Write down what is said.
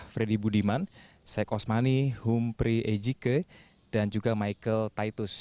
fredy budiman syekh osmani humphrey ejike dan juga michael taitus